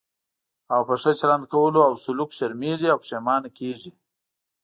او په ښه چلند کولو او سلوک شرمېږي او پښېمانه کېږي.